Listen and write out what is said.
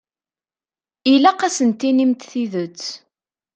Ilaq ad sen-tinimt tidet.